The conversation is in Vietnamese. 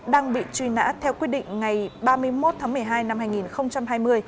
đang bị truy nã theo quyết định ngày ba mươi một tháng một mươi hai năm hai nghìn hai mươi